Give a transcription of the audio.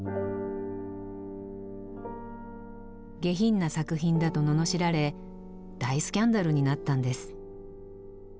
下品な作品だと罵られ大スキャンダルになったんです。